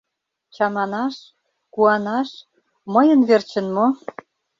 Чаманаш, куанаш — мыйын верчын мо?